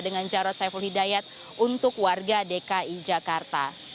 dengan jarod saiful hidayat untuk warga dki jakarta